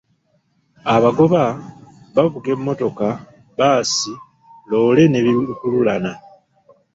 Abagoba bavuga emmotoka, bbaasi, loole ne bi lukululana.